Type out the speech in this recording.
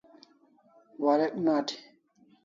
Warek nati